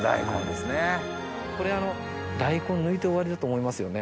これ大根抜いて終わりだと思いますよね？